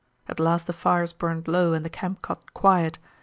"At last the fires burned low and the camp got quiet.